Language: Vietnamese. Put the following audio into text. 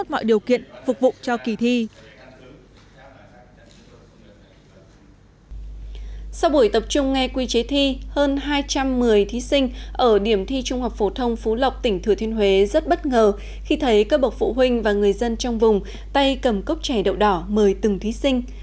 trong nghe quy chế thi hơn hai trăm một mươi thí sinh ở điểm thi trung học phổ thông phú lộc tỉnh thừa thiên huế rất bất ngờ khi thấy các bậc phụ huynh và người dân trong vùng tay cầm cốc chè đậu đỏ mời từng thí sinh